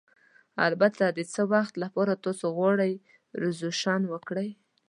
البته، د څه وخت لپاره تاسو غواړئ ریزرویشن وکړئ؟